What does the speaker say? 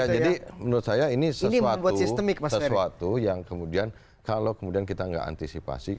jadi menurut saya ini sesuatu yang kemudian kalau kita nggak antisipasi